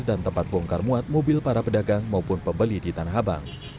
dan tempat bongkar muat mobil para pedagang maupun pembeli di tanah abang